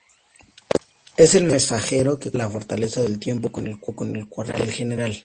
Es el mensajero que comunica "la fortaleza del tiempo" con el cuartel general.